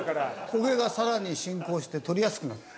焦げがさらに進行して取りやすくなった。